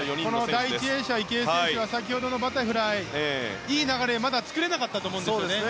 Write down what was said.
この第１泳者池江選手は先ほどのバタフライ、いい流れは作れなかったと思うんですね。